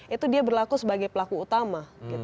itu dia berlaku sebagai pelaku utama